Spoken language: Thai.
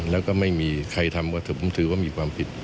แล้วก็ไม่มีใครทำก็ผมถือว่ามีความผิด